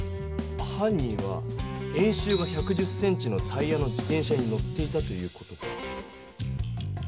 犯人は円周が１１０ｃｍのタイヤの自転車に乗っていたという事か。